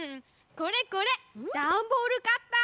これこれダンボールカッター！